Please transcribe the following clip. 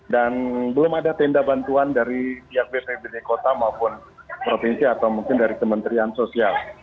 dan belum ada tenda bantuan dari pihak bppb di kota maupun provinsi atau mungkin dari kementerian sosial